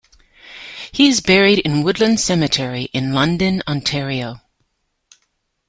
He is buried in Woodland Cemetery in London, Ontario.